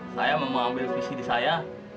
saya mau ambil visi di saya